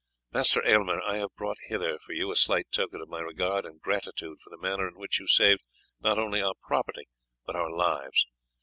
Master Aylmer, I have brought hither for you a slight token of my regard and gratitude for the manner in which you saved not only our property but our lives.